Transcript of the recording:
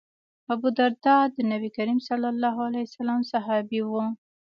ابوالدرداء د نبي کریم ص صحابي و.